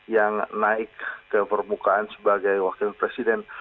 yang naik ke permukaan sebagai wakil presiden